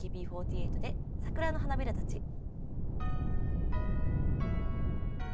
ＡＫＢ４８で「桜の花びらたち」。